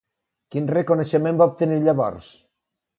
Quin reconeixement va obtenir llavors?